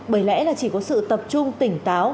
bởi lẽ là chỉ có sự tập trung tỉnh táo